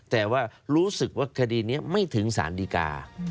แต่ว่ารู้สึกว่าคดีนี้ไม่ถึงสารดีกา